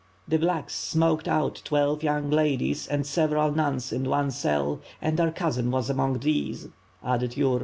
"The 'blacks' smoked out twelve young ladies and several nuns in one cell, and our cousin was among these," added Yur.